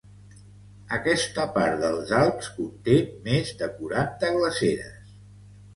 Aquesta part dels Alps conté més de quaranta glaceres.